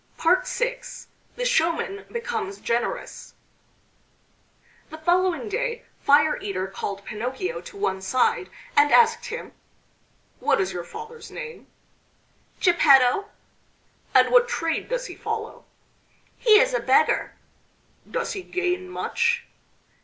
VI THE SHOWMAN BECOMES GENEROUS The following day Fire eater called Pinocchio to one side and asked him: "What is your father's name?" "Geppetto." "And what trade does he follow?" "He is a beggar." "Does he gain much?"